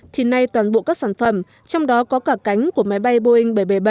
thì nay toàn bộ các sản phẩm trong đó có cả cánh của máy bay boeing bảy trăm bảy mươi bảy